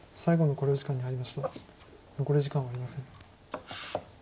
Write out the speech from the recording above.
残り時間はありません。